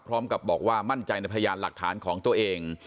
พร้อมกับบอกว่ามั่นใจในพยานหลักฐานของตัวเอง